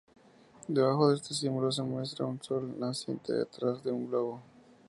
Debajo de este símbolo, se muestra un sol naciente detrás de un globo.